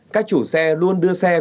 các chủ xe luôn đưa xe vào đăng kiểm